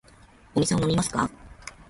お水を飲みますか。